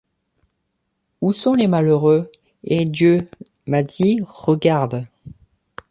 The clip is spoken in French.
Où sont les malheureux? — et Dieu m’a dit: Regarde.